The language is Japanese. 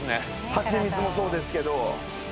蜂蜜もそうですけど。